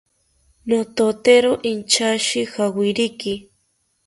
Nototero inchashi jawiriki